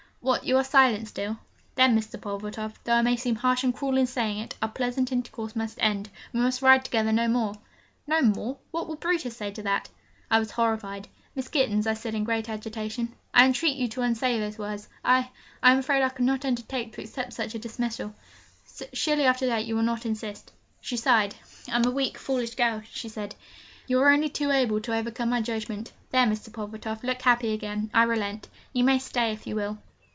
'What, you are silent still? Then, Mr. Pulvertoft, though I may seem harsh and cruel in saying it, our pleasant intercourse must end we must ride together no more!' No more? What would Brutus say to that? I was horrified. 'Miss Gittens,' I said in great agitation, 'I entreat you to unsay those words. I I am afraid I could not undertake to accept such a dismissal. Surely, after that, you will not insist!' She sighed. 'I am a weak, foolish girl,' she said; 'you are only too able to overcome my judgment. There, Mr. Pulvertoft, look happy again I relent. You may stay if you will!'